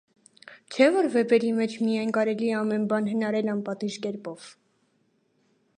Չէ՞ որ վեպերի մեջ միայն կարելի է ամեն բան հնարել անպատիժ կերպով: